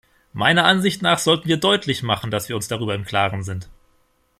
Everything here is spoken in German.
Meiner Ansicht nach sollten wir deutlich machen, dass wir uns darüber im Klaren sind.